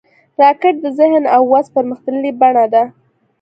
راکټ د ذهن او وس پرمختللې بڼه ده